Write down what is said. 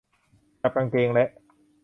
จับกางเกงและ